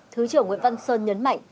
thứ trưởng nguyễn văn sơn nhấn mạnh